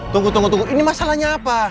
tunggu tunggu tunggu ini masalahnya apa